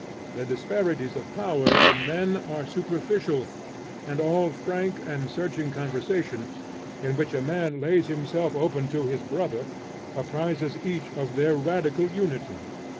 The disparities of power in men are superficial; and all frank and searching conversation, in which a man lays himself open to his brother, apprises each of their radical unity.